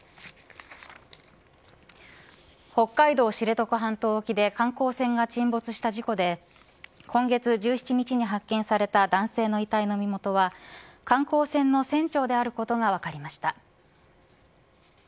北海道知床半島沖で観光船が沈没した事故で今月１７日に発見された男性の遺体の身元は観光船の船長であることが分かりました。